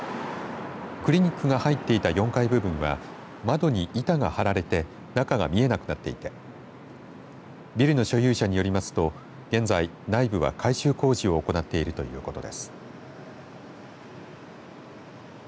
クリニックが入っていた４階部分は窓に板が張られて中が見えなくなっていてビルの所有者によりますと、現在内部は改修工事を行っているということです。